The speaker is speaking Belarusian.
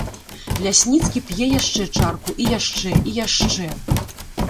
Лясніцкі п'е яшчэ чарку, і яшчэ, і яшчэ.